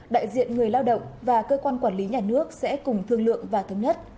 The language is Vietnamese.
đại diện người lao động và cơ quan quản lý nhà nước sẽ cùng thương lượng và thống nhất